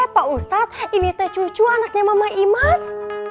pak ustadz ini teh cucu anaknya mama imas